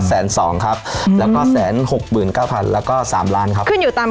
ขึ้นอยู่ตามคณะคือเป็นขนาดเป็นขนาด